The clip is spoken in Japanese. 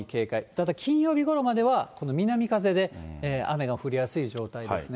ただ、金曜日ごろまでは南風で雨が降りやすい状態ですね。